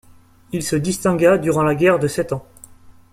Il se distingua durant la guerre de Sept Ans.